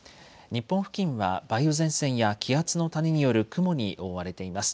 日本付近は梅雨前線や気圧の谷による雲に覆われています。